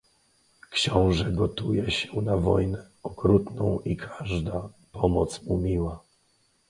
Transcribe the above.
"książe gotuje się na wojnę okrutną i każda pomoc mu miła..."